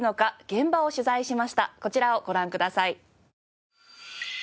こちらをご覧ください。